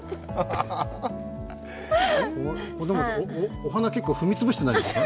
お花、結構踏み潰してないですか？